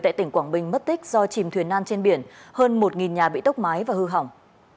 tại tỉnh quảng bình mất tích do chìm thuyền nan trên biển hơn một nhà bị tốc mái và hư hỏng